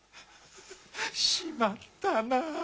しまったな。